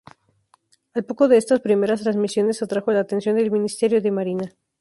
Al poco de estas primeras transmisiones, atrajo la atención del ministerio de Marina.